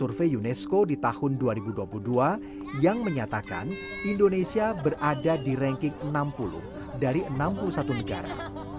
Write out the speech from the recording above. survei unesco di tahun dua ribu dua puluh dua yang menyatakan indonesia berada di ranking enam puluh dari enam puluh satu negara